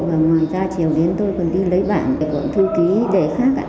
và ngoài ra chiều đến tôi còn đi lấy bảng để gọi thư ký đề khác